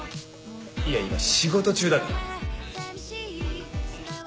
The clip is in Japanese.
いや今仕事中だから。